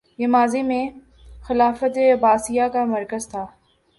یہ ماضی میں خلافت عباسیہ کا مرکز تھا